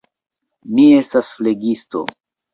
Mi estas flegisto.